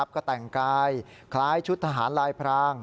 ก็แต่งกายคล้ายชุดทหารลายพราง